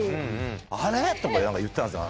「あれ？」とか言ってたんですよ